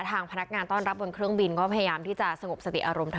ทางพนักงานต้อนรับบนเครื่องบินก็พยายามที่จะสงบสติอารมณ์เธอ